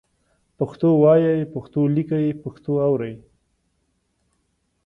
پښتو وایئ، پښتو لیکئ، پښتو اورئ